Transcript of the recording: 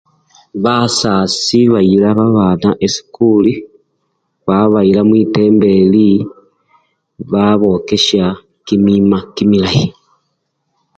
Basasi bayila babana esikuli, bababayila mwitembeli babokesha kimima kimilayi.